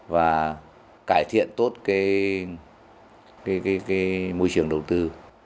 và cải thiện tốt môi trường đầu tư